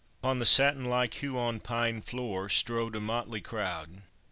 Upon the satin like Huon pine floor strolled a motley crowd.